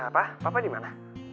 pak papa dimana